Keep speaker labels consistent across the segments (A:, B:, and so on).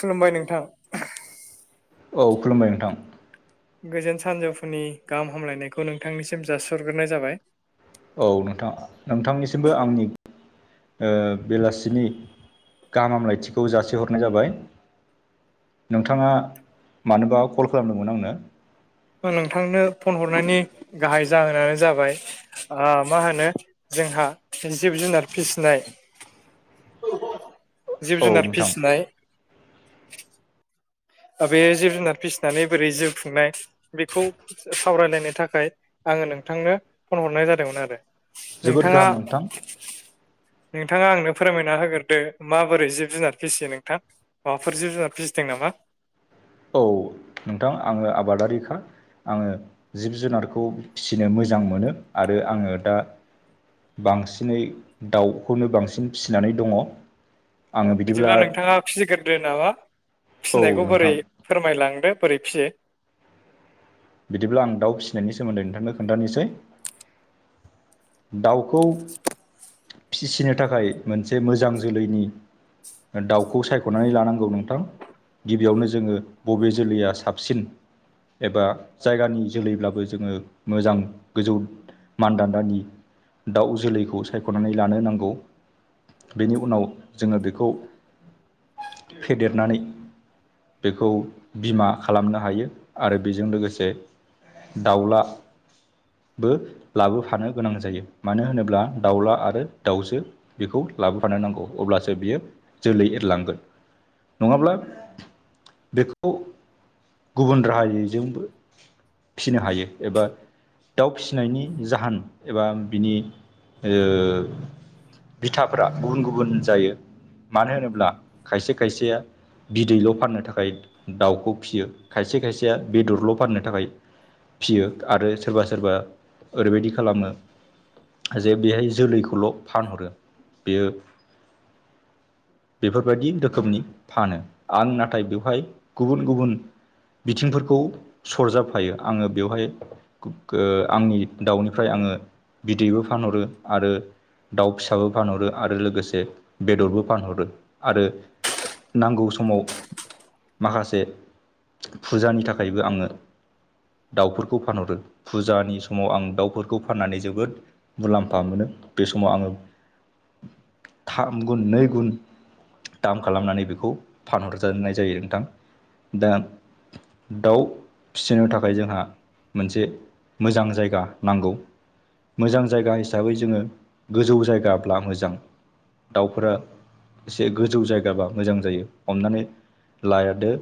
A: खुलुमबाय नोंथां।
B: औ खुलुमबाय नोंथां।
A: गोजोन सानजौफुनि गाहाम हामलायनायखौ नोंथांनिसिम जासिहरग्रोनाय जाबाय।
B: औ नोंथां नोंथांनिसिमबो आंनि बेलासिनि गाहाम हामलायथिखौ जासिहरनाय जाबाय। नोंथाङा मानोबा कल खालामदोंमोन आंनो?
A: नोंथांनो फन हरनायनि गाहाय जाहोनानो जाबाय मा होनो जोंहा जिब जुनार फिसिनाय जिब
B: औ
A: जुनार
B: नोंथां
A: फिसिनाय बे जिब जुनार फिसिनानै बोरै जिउ खुंनाय बेखौ सावरायलायनो थाखाय आङो नोंथांनो फन हरनाय जादोंमोन आरो।
B: जोबोद
A: नोंथाङा।
B: गाहाम नोंथां
A: नोंथाङा आंनो फोरमायना होग्रोदो माबोरै जिब जुनार फिसियो नोंथां। माबाफोर जिब जुनार फिसिदों नामा।
B: औ नोंथां आङो आबादारिखा आङो जिब जुनारखौ फिसिनो मोजां मोनो आरो आङो दा बांसिनै दाउखौनो बांसिन फिसिनानै दङ
A: बिदिब्ला नोंथाङा फिसिग्रोदो नामा
B: औ
A: फिसिनायखौ बोरै
B: नोंथां
A: फोरमायलांदो बोरै फिसियो।
B: बिदिब्ला आं दउ फिसिनायनि सोमोन्दै नोंथांनो खोन्थानोसै। दाउखौ। फिसिनो थाखाय मोनसे मोजां जोलैनि दाउखौ सायख'नानै लानांगौ नोंथां। गिबियावनो जोङो बबे जोलैया साबसिन एबा जायगानि जोलैब्लाबो जोङो मोजां गोजौ मानदान्दानि दाउ जोलैखौ सायख'नानै लानो नांगौ बेनि उनाव जोङो बेखौ
A: [inaudible]
B: फेदेरनानै बेखौ बिमा खालामनो हायो आरो बेजों लोगोसे दाउला बो लाबोफानो गोनां जायो मानो होनोब्ला दाउला आरो दाउजो बेखौ लाबोफानो नांगौ अब्लासो बियो जोलै एरलांगोन नङाब्ला बेखौ गुबुन राहायजोंबो फिसिनो हायो एबा दाउ फिसिनायनि जाहोन एबा बिनि ओ बिथाफोरा गुबुन गुबुन जायो मानो होनोब्ला खायसे खायसेया बिदैल' फाननो थाखाय दाउखौ फियो खायसे खायसेया बेदरल' फाननो थाखाय फियो आरो सोरबा सोरबा ओरैबायदि खालामो जे बेहाय जोलैखौल' फानहरो बेयो
A: [unintelligible]
B: बेफोरबायदि रोखोमनि फानो आं नाथाय बेवहाय गुबुन गुबुन बिथिंफोरखौ सरजाबफायो आङो बेवहाय आंनि दाउनिफ्राय आङो बिदैबो फानहरो आरो दाउ फिसाबो फानहरो आरो लोगोसे बेदरबो फानहरो आरो नांगौ समाव माखासे फुजानि थाखायबो आङो दाउफोरखौ फानहरो फुजानि समाव आं दाउफोरखौ फाननानै जोबोद मुलाम्फा मोनो बे समाव आङो थाम गुन नै गुन दाम खालामनानै बेखौ फानहरजानाय जायो नोंथां दा दाउ फिसिनो थाखाय जोंहा मोनसे मोजां जायगा नांगौ। मोजां जायगा हिसाबै जोङो गोजौ जायगाब्ला मोजां दाउफोरा एसे गोजौ जायगाबा मोजां जायो हमनानै लादो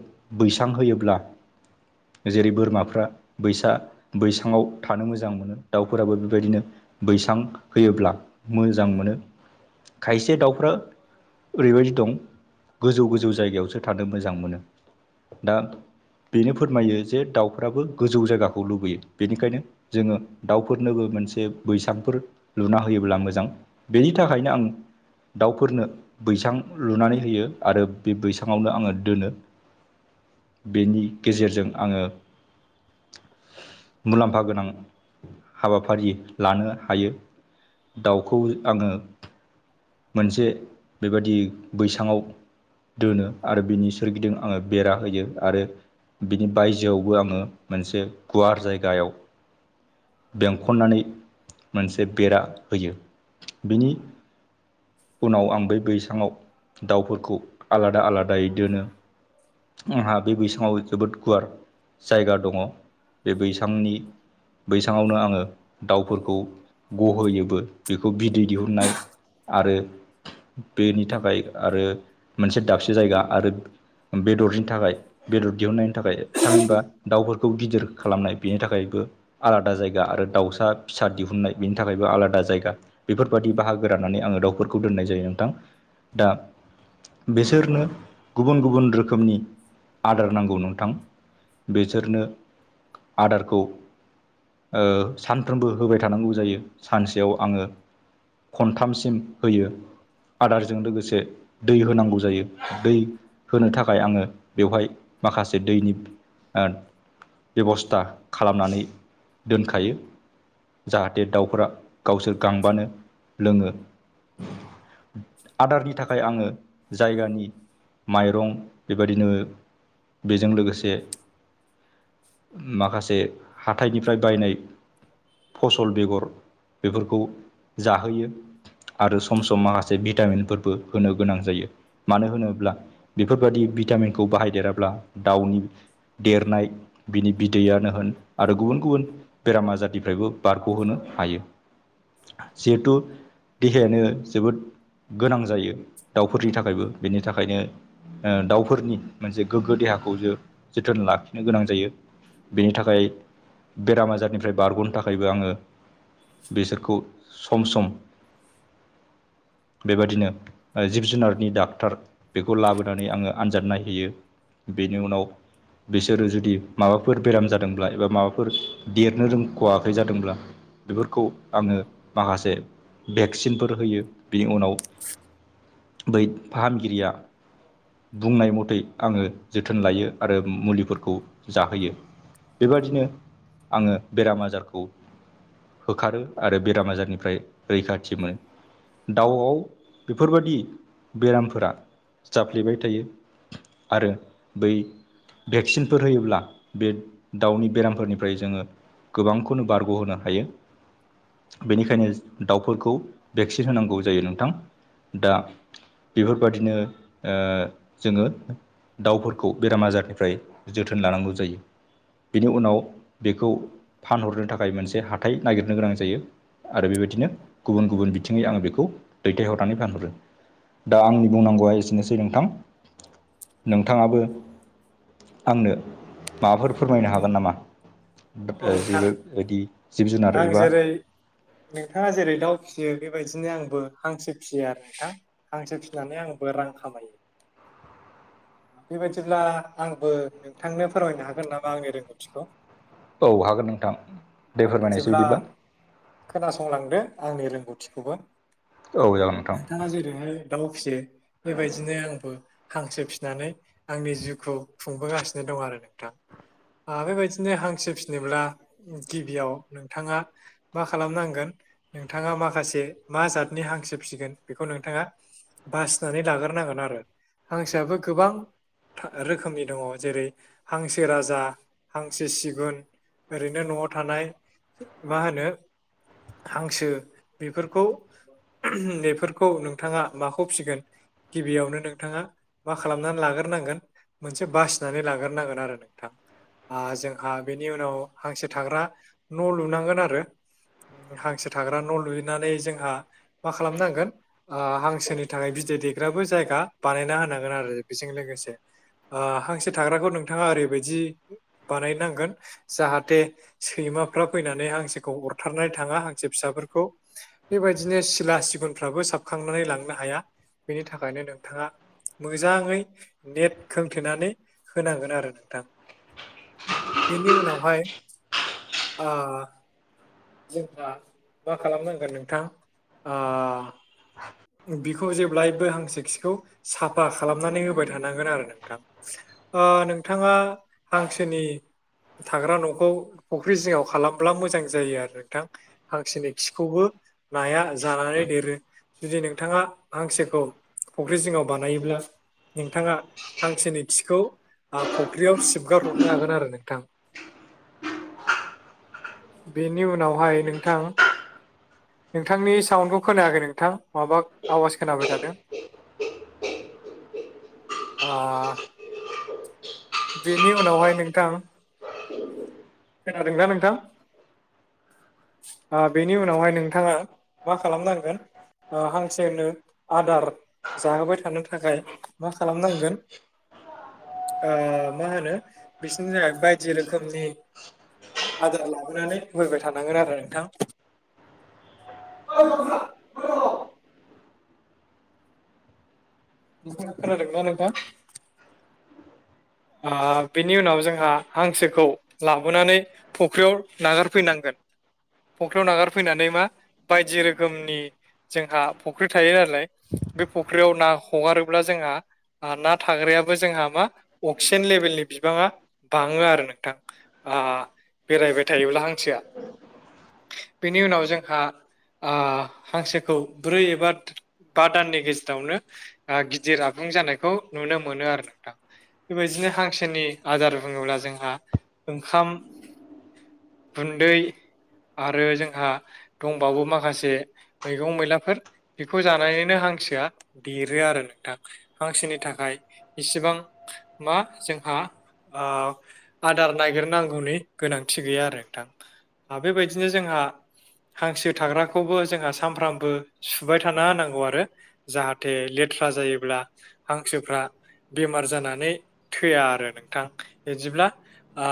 B: बैसां होयोब्ला जेरै बोरमाफ्रा बैसा बैसाङाव थानो मोजां मोनो दाउफोराबो बेबायदिनो बैसां होयोब्ला मोजां मोनो खायसे दाउफ्रा ओरैबायदि दं गोजौ गोजौ जायगायावसो थानो मोजां मोनो दा बेनो फोरमायो जे दाउफोराबो गोजौ जायगाखौ लुबैयो बेनिखायनो जोङो दाउफोरनोबो मोनसे बैसांफोर लुना होयोब्ला मोजां। बेनि थाखायनो आं दाउफोरनो बैसां लुनानै होयो आरो बे बैसाङावनो आङो दोनो। बेनि गेजेरजों आङो मुलाम्फा गोनां हाबाफारि लानो हायो दाउखौ आङो मोनसे बेबादि बैसाङाव दोनो आरो बिनि सोरगिदिं आङो बेरा होयो आरो बिनि बायजोआवबो आङो मोनसे गुवार जायगायाव बेंखननानै मोनसे बेरा होयो। बेनि उनाव आं बै बैसाङाव दाउफोरखौ आलादा आलादायै दोनो। आंहा बे बैसाङाव जोबोद गुवार जायगा दङ बे बैसांनि बैसाङावनो आङो दाउफोरखौ गहोयोबो। बेखौ बिदै दिहुननाय आरो बेनि थाखाय आरो मोनसे दाबसे जायगा आरो बेदरनि थाखाय बेदर दिहुननाय थाखाय थामहिनबा दाउफोरखौ गिदिर खालामनाय बेनि थाखायबो आलादा जायगा आरो दाउसा फिसा दिहुननाय बेनि थाखायबो आलादा जायगा बेफोरबायाददि बाहागो रान्नानै आङो दाउफोरखौ दोननाय जायो नोंथां। दा बेसोरनो गुबुन गुबुन रोखोमनि आदार नांगौ नं थां बेसोरनो आदारखौ सानफ्रोमबो होबाय थानांगौ जायो सानसेयाव आङो खनथामसिम होयो। आदारजों लोगोसे दै होनांगौ जायो दै होनो थाखाय आङो बेवहाय माखासे दैनि बेब'स्था खालामनानै दोनखायो। जाहाथे दाउफोरा गावसोर गांबानो लोङो। आदारनि थाखाय आङो जायगानि माइरं बेबायदिनो बेजों लोगोसे माखासे हाथाइनिफ्राय बायनाय फसल बेगर बेफोरखौ जाहोयो। आरो सम सम माखासे भिटामिनफोरबो होनो गोनां जायो मानो होनोब्ला। बिफोरबादि भिटामिनखौ बाहायदेराब्ला दाउनि देरनाय बिनि बिदैयानो होन आरो गुबुन गुबुन बेराम आजारनिफ्रायबो बारग'होनो हायो। जिहेथु देहायानो जोबोद गोनां जायो दाउफोरनि थाखायबो। बेनि थाखायनो ओ दाउफोरनि मोनसे गोग्गो देहा खौ जो-जोथोन लाखिनो गोनां जायो बेनि थाखाय बेराम आजारनिफ्राय बारग'नो थाखायबो आङो बेसोरखौ सम सम
A: [inaudible]
B: बेबादिनो ओ जिब जुनारनि डाक्टार बेखौ लाबोनानै आङो आनजाद नायहैयो। बेनि उनाव बिसोरो जुदि माबाफोर बेराम जादोंब्ला एबा माबाफोर देरनो रोंख'वाखै जादोंब्ला बेफोरखौ आङो माखासे भेक्सिनफोर होयो बेनि उनाव बै फाहामगिरिया बुंनाय मथै आङो जोथोन लायो आरो मुलिफोरखौ जाहोयो। बेबादिनो आङो बेराम आजारखौ होखारो आरो बेराम आजारनिफ्राय रैखाथि मोनो। दाउआव बेफोरबायादि बेरामफोरा जाफ्लेबाय थायो। आरो बै भेक्सिनफोर होयोब्ला बे दाउनि बेरामफोरनिफ्राय जोङो गोबांखौनो बारग' होनो हायो। बेनिखायनो दाउफोरखौ भेक्सिन होनांगौ जायो नोंथां दा बिफोरबादिनो जोङो दाउफोरखौ बेराम आजारनिफ्राय जोथोन लानांगौ जायो। बेनि उनाव बेखौ फानहरनो थाखाय मोनसे हाथाय नागिरनो गोनां जायो। आरो बेबायदिनो गुबुन गुबुन बिथिङै आङो बेखौ दैथायहरनानै फानहरो। दा आंनि बुंनांगौआ एसेनोसै नोंथां नोंथाङाबो आंनो माबाफोर फोरमायनो हागोन नामा
A: औ नोंथां
B: जेबो [unintelligible]
A: आं
B: एबा
A: जेरै नोंथाङा जेरै दाउ फिसियो बेबायदिनो आंबो हांसो फिसियो आरो नोंथां। हांसो फिनानै आंबो रां खामायो। बेबादिब्ला आंबो नोंथांनो फोरमायनो हागोन नामा आंनि रोंगौथिखौ?
B: औ हागोन नोंथां।
A: औ
B: दे फोरमायनायसै
A: बिदिब्ला खोनासंलांदो आंनि रोंगौथिखौबो।
B: औ जागोन नोंथां
A: नोंथाङा जेरैहाय दाउ फियो बेबायदिनो आंबो हांसो फिसिनानै आंनि जिउखौ खुंबोगासिनो दं आरो नोंथां। ओ बेबायदिनो हांसो फिनोब्ला गिबियाव नोंथाङा मा खालामनांगोन नोंथाङा माखासे मा जादनि हांसो फिसिगोन बेखौ नोंथाङा बासिनानै लाग्रोनांगोन आरो हांसोयाबो गोबां रोखोमनि दङ जेरै हांसो राजा हांसो सिगुन ओरैनो न'आव थानाय मा होनो? हांसो बेफोरखौ बेफोरखौ नोंथाङा माखौ फिगोन गिबियावनो नोंथाङा मा खालामनानै लाग्रोनांगोन मोनसे बासिनानै लाग्रोनांगोन आरो नोंथां ओ जोंहा बेनि उनाव हांसो थाग्रा न' लुनांगोन आरो हांसो थाग्रा न' लुनानै जोंहा मा खालामनांगोन ओ हांसोनि थाखाय बिदै दैग्राबो जायगा बानायना होनांगोन आरो बेजों लोगोसे ओ हांसो थाग्राखौ नोंथाङा ओरैबायदि बानायनांगोन जाहाथे सैमा फ्रा फैनानै हांसोखौ अरथारनाय थाङा हांसो फिसाफोरखौ बेबायदिनो सिला सिगुनफ्राबो साबखांनानै लांनो हाया बेनि थाखायनो नोंथाङा मोजाङै नेट खोंथेनानै होनांगोन आरो नोंथां बेनि उनावहाय ओ। जोंहा मा खालामनांगोन नोंथां ओ बिखौ जेब्लायबो हांसोखिखौ साफा खालामनानै होबाय थानांगोन आरो नोंथां। ओ नोंथाङा हांसोनि थाग्रा न'खौ फुख्रि जिङाव खालामब्ला मोजां जायो आरो नोंथां हांसोनि खिखौबो नाया जानानै देरो जुदि नोंथाङा हांसोखौ फुख्रि जिङाव बानायोब्ला नोंथाङा हांसोनि खिखौ ओ फुख्रियाव सिबगार हरनो हागोन आरो नोंथां। [inaudible] बेनि उनावहाय नोंथां नोंथांनि साउन्डखौ खोनायाखै नोंथां माबा आवाज खोनाबाय थादों [inaudible] ओ बेनि उनावहाय नोंथां खोनादों दा नोंथां ओ बेनि उनावहाय नोंथाङा मा खालामनांगोन हांसोनो आदार जाहोबाय थानो थाखाय मा खालामनांगोन मा होनो बिसनि थाखाय बायदि रोखोमनि आदार लाबोनानै फैबाय थानांगोन आरो नोंथां नोंथांङा खोनादों ना नोंथां। ओ बिनि उनाव जोंहा हांसोखौ लाबोनानै फुख्रियाव नागारफैनांगोन फख्रियाव नागारफैनानै मा बायदि रोखोमनि जोंहा फख्रि थायो नालाय बे फुख्रियाव ना हगारोब्ला जोंहा ना थाग्रायाबो जोंहा मा अक्सिजेन लेभेलनि बिबाङा बाङो आरो नोंथां ओ बेरायबाय थायोब्ला [unintelligible] बिनि उनाव जोंहा ओ हांसोखौ ब्रै एबा बा दाननि गेजेरावनो ओ गिदिर आबुं जानायखौ नुनो मोनो आरो नोंथां। बेबायदिनो हांसोनि आदार बुङोब्ला जोंहा ओंखाम गुन्दै आरो जोंहा दंबाबो माखासे मैगं मैलाफोर बेखौ जानानैनो हांसोआ देरो आरो नोंथां हांसोनि थाखाय इसिबां मा जोंहा ओ आदार ननायागिरनांगौनि गोनांथि गैया आरो नोंथां बेबायदिनो जोंहा हांसो थाग्राखौबो जोंहा सानफ्रामबो सुबाय थाना होनांगौ आरो जाहाथे लेथ्रा जायोब्ला हांसोफ्रा बेमार जानानै थैया आरो नोंथां बिदिब्ला आ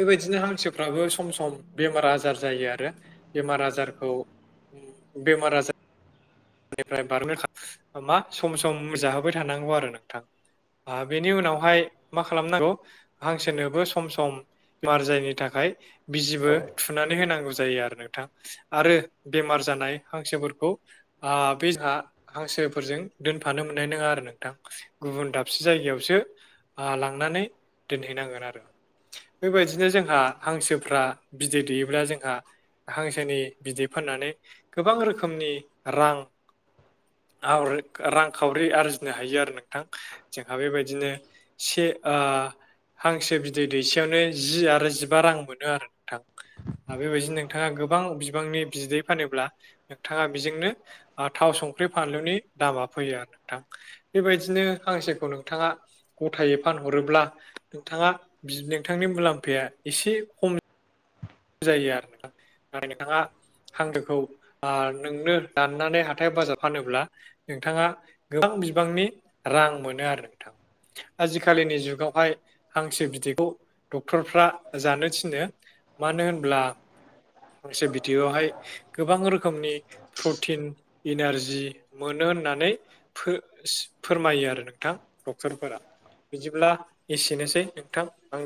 A: बेबायदिनो हांसोफ्राबो सम सम बेमार आजार जायो आरो बेमार आजारखौ बेमार आजार बेनिफ्राय बार [unintelligible] मा सम सम जाहोबाय थानांगौ आरो नोंथां। आ बेनि उनावहाय मा खालामनांगौ हांसोनोबो सम सम मार जायनि थाखाय बिजिबो थुनानै होनांगौ जायो आरो नोंथां। आरो बेमार जानाय हांसोफोरखौ ओ बे जोहा हांसोफोरजों दोनफानो मोननाय नङा आरो नोंथां। गुबुन दाबसे जायगायावसो लांनानै दोनहैनांगोन आरो। बेबायदिनो जोंहा हांसोफ्रा बिदै दैयोब्ला जोंहा हांसोनि बिदै फाननानै गोबां रोखोमनि रां आवरि रांखावरि आरजिनो हायो आरो नोंथां। जोंहा बेबायदिनो से ओ हांसो बिदै दैसेयावनो जि आरो जिबा रां मोनो आरो नोंथां। आरो बेबायदिनो नोंथाङा गोबां बिबांनि बिदै फानोब्ला, नोंथाङा बेजोंनो आं थाव संख्रि फानलुनि दामा फैयो आरो नोंथां। बेबायदिनो हांसोखौ नोंथाङा गथायै फानहरोब्ला नोंथाङा बि नोंथांनि मुलाम्फाया एसे खम जायो आरोना। नाथाय नोंथाङा हांसोखौ नोंनो दाननानै हाथाय बाजाराव फानोब्ला नोंथाङा गोबां बिबांनि रां मोनो आरो नोंथां। आजिखालिनि जुगावहाय हांसो बिदैखौ डक्टरफ्रा जानो थिनो। मानो होनब्ला हांसो बिदयावहाय गोबां रोखोमनि प्रटिन, इनारजि मोनो होननानै फो-फोरमायो आरो नोंथां डक्टरफोरा। बिदिब्ला एसेनोसै नोंथां आं